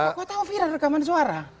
kok kau tahu viral rekaman suara